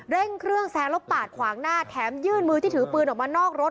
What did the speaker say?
เร่งเครื่องแซงแล้วปาดขวางหน้าแถมยื่นมือที่ถือปืนออกมานอกรถ